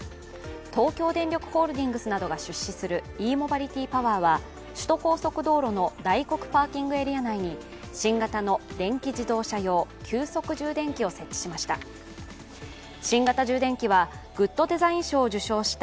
東京電力ホールディングスなどが出資するｅ−ＭｏｂｉｌｉｔｙＰｏｗｅｒは、首都高速道路の大黒パーキングエリア内に新型の電気自動車用急速充電器を設置しました。